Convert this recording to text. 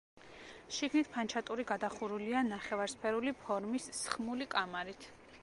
შიგნით ფანჩატური გადახურულია ნახევარსფერული ფორმის, სხმული კამარით.